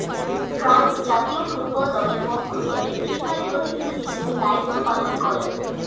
France জাতীয় football দলের পক্ষ থেকে ফিফায় প্রতিনিধি হিসেবে দায়িত্ব পালন করেন।